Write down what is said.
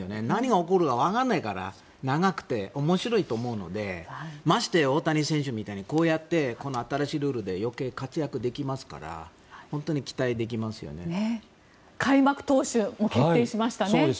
何が起こるかわからないから長くて面白いと思うのでまして大谷選手みたいにこうやって新しいルールで余計に活躍できますから本当に期待ができますよね。